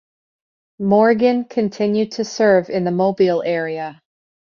"Morgan" continued to serve in the Mobile area.